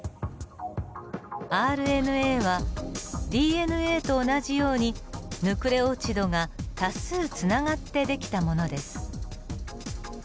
ＲＮＡはＤＮＡと同じようにヌクレオチドが多数つながって出来たものです。